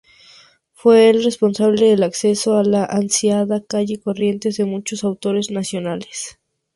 Fue el responsable del acceso a la ansiada calle Corrientes de muchos autores nacionales.